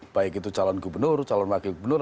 baik itu calon gubernur calon wakil gubernur